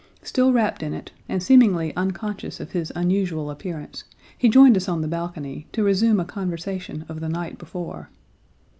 Still wrapped in it, and seemingly unconscious of his unusual appearance, he joined us on the balcony, to resume a conversation of the night before.